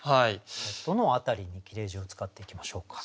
どの辺りに切字を使っていきましょうか？